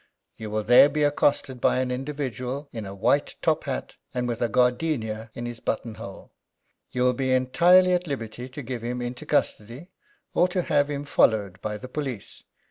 You will there be accosted by an individual in a white top hat, and with a gardenia in his button hole. You will be entirely at liberty to give him into custody, or to have him followed by the police.